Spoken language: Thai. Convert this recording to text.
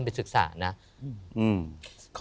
โปรดติดตามต่อไป